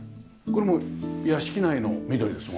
これも屋敷内の緑ですもんね？